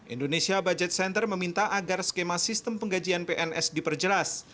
indonesia budget center meminta agar skema sistem penggajian pns diperjelas